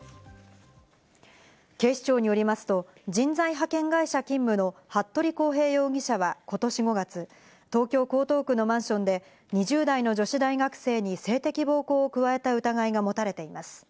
警視庁によりますと、人材派遣会社勤務の服部康平容疑者はことし５月、東京・江東区のマンションで２０代の女子大学生に性的暴行を加えた疑いが持たれています。